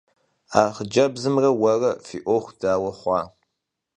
А хъыджэбзымрэ уэрэ фи Ӏуэху дауэ хъуа?